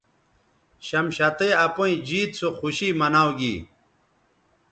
شمشتئ اپئیں جیت سو خوشی مناؤ گی